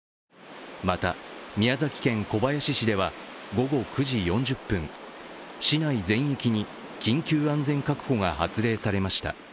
また、宮崎県小林市では午後９時４０分、市内全域に緊急安全確保が発令されました。